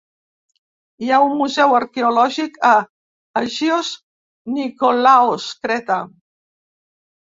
Hi ha un museu arqueològic a Agios Nikolaos, Creta.